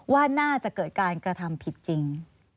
ว่าน่าจะเกิดการกระทำผิดจริง